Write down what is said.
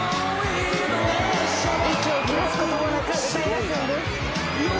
「息を切らす事もなく歌いだすんです」